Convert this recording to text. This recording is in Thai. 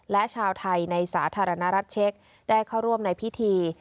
และชาวไทยในสาธารณรัฐเช็คได้เข้าร่วมในพิธี